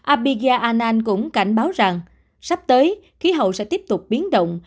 abiga an cũng cảnh báo rằng sắp tới khí hậu sẽ tiếp tục biến động